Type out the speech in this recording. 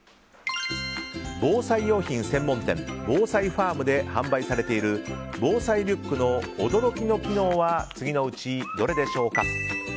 防災用品専門店ＢＯＵＳＡＩＦＡＲＭで販売されている防災リュックの驚きの機能は次のうち、どれでしょうか。